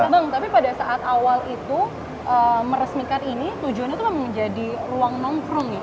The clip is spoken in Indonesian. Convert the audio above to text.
bang tapi pada saat awal itu meresmikan ini tujuannya itu memang menjadi ruang nongkrong ya